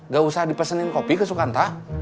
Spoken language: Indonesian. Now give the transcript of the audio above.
gak usah dipesenin kopi ke sukantah